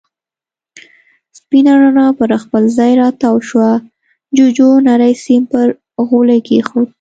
سپينه رڼا پر خپل ځای را تاوه شوه، جُوجُو نری سيم پر غولي کېښود.